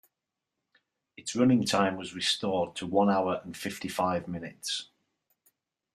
Its running time was restored to one hour and fifty-five minutes.